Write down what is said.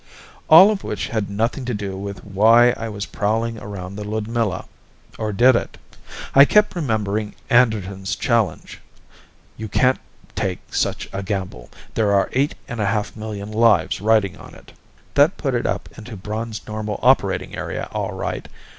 All of which had nothing to do with why I was prowling around the Ludmilla or did it? I kept remembering Anderton's challenge: "You can't take such a gamble. There are eight and a half million lives riding on it " That put it up into Braun's normal operating area, all right.